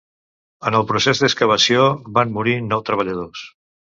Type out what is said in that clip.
En el procés d'excavació, van morir nou treballadors.